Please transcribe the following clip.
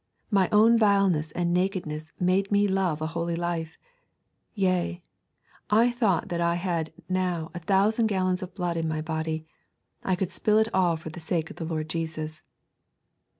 My own vileness and nakedness made me love a holy life. Yea, I thought that had I now a thousand gallons of blood in my body, I could spill it all for the sake of the Lord Jesus.'